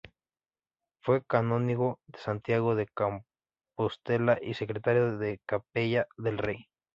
Fue canónigo de Santiago de Compostela y Secretario y Capellán del rey.